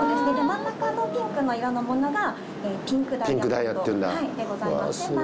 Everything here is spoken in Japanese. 真ん中のピンクの色のものがピンクダイヤモンドでございまして。